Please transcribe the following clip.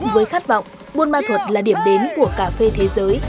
với khát vọng buôn ma thuật là điểm đến của cà phê thế giới